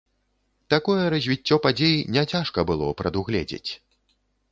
Такое развіццё падзей не цяжка было прадугледзець.